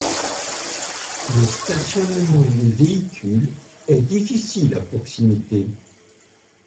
Le stationnement des véhicules est difficile à proximité.